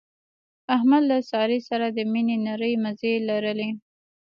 احمد له سارې سره د مینې نری مزی لري.